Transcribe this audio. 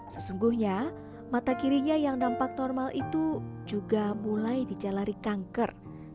sesungguhnya mata kirinya yang dampak normal itu juga mulai dijalari kanker